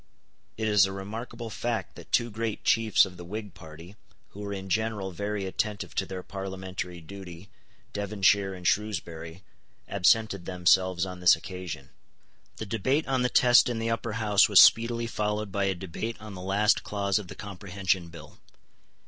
It is a remarkable fact that two great chiefs of the Whig party, who were in general very attentive to their parliamentary duty, Devonshire and Shrewsbury, absented themselves on this occasion. The debate on the Test in the Upper House was speedily followed by a debate on the last clause of the Comprehension Bill.